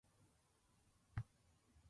ご不明な点がございましたらお知らせください。